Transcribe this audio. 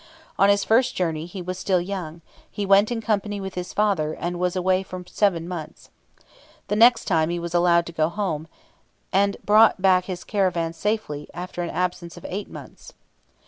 On his first journey, as he was still young, he went in company with his father, and was away for seven months. The next time he was allowed to go alone, and brought back his caravan safely after an absence of eight months.